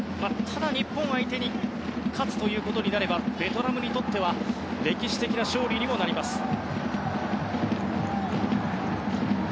ただ、日本相手に勝つということになればベトナムにとっては歴史的な勝利にもなります。